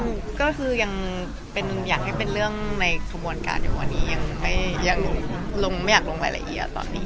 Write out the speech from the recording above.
ก็ตอนก็คือยังเป็นอย่างให้เป็นเรื่องในกระบวนการอยู่ตอนนี้ยังไม่อยากลงไม่อยากลงหลายละเอียดตอนนี้ค่ะ